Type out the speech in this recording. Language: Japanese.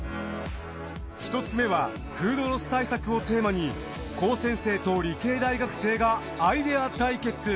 １つ目はフードロス対策をテーマに高専生と理系大学生がアイデア対決。